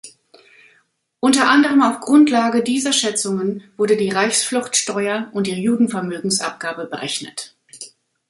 Unter anderem auf Grundlage dieser Schätzungen wurden die Reichsfluchtsteuer und die Judenvermögensabgabe berechnet.